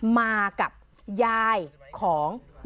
มากับยายของ